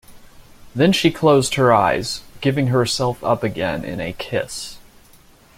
Then she closed her eyes, giving herself up again in a kiss.